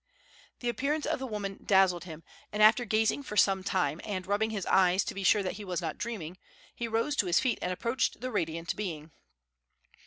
The appearance of the woman dazzled him, and after gazing for some time, and rubbing his eyes to be sure that he was not dreaming, he rose to his feet and approached the radiant being.